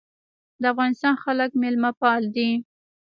د افغانستان خلک میلمه پال دي